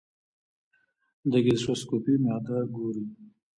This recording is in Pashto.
د ګیسټروسکوپي معده ګوري.